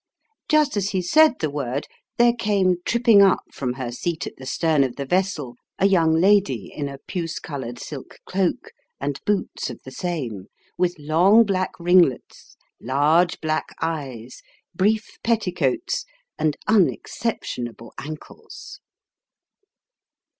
Just as he said the word, there came tripping up, from her seat at the stern of the vessel, a young lady in a puce coloured silk cloak, and boots of the same ; with long black ringlets, large black eyes, brief petticoats, and unexceptionable ankles.